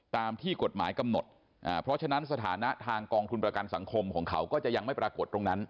ตามที่กฎหมายกำหนดเพราะฉะนั้นสถานะทางกองทุนประกันสังคมของเขาก็จะยังไม่ปรากฏตรงนั้น